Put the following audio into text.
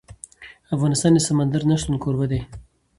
افغانستان د سمندر نه شتون کوربه دی.